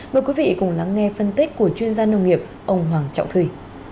mời quý vị cùng lắng nghe phân tích của chuyên gia nông nghiệp ông hoàng trọng thủy